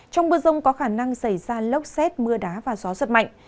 trong mưa rông có khả năng xảy ra lốc xét mưa đá và gió giật mạnh